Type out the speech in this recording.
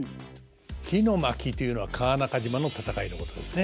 「火の巻」というのは川中島の戦いのことですね。